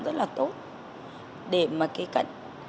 rất là tốt để mà kế cận